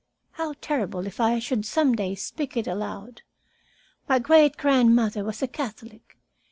How terrible if I should some day speak it aloud. My great grandmother was a Catholic.